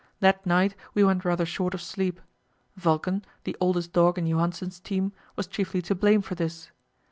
That night we went rather short of sleep. Vulcan, the oldest dog in Johansen's team, was chiefly to blame for this.